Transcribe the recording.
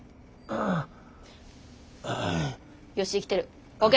よし生きてるＯＫ。